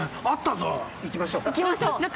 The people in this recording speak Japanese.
いきましょう。